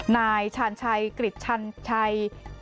นายฉานชัยกรีจฉันชัย